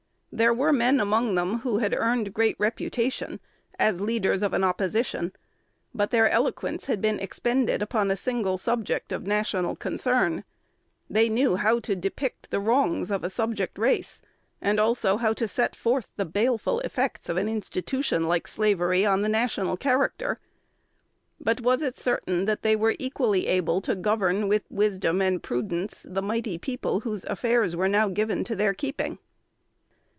There were men among them who had earned great reputation as leaders of an opposition; but their eloquence had been expended upon a single subject of national concern. They knew how to depict the wrongs of a subject race, and also how to set forth the baleful effects of an institution like slavery on national character. But was it certain that they were equally able to govern with wisdom and prudence the mighty people whose affairs were now given to their keeping?